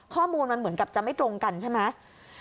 ข้อมูลมันเหมือนกับจะไม่ตรงกันใช่ไหม